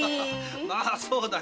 まあそうだよな。